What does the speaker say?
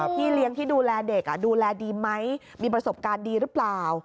พี่เลี้ยงที่ดูแลเด็กดูแลดีไหมมีประสบการณ์ดีหรือเปล่า